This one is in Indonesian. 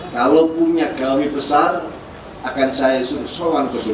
kalau punya gawih besar akan saya suruh suruh ke bum